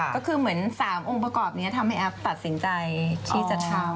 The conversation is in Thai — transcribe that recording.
ก็คือเหมือน๓องค์ประกอบนี้ทำให้แอฟตัดสินใจที่จะทำ